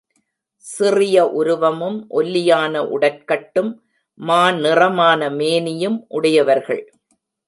சிறிய உருவமும், ஒல்லியான உடற்கட்டும், மா நிறமான மேனியும் உடையவர்கள்.